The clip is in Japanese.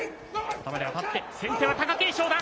頭で当たって、先手は貴景勝だ。